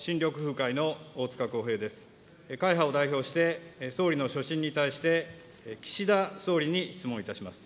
会派を代表して、総理の所信に対して岸田総理に質問いたします。